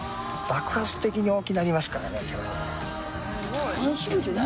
爆発的に大きなりますからね。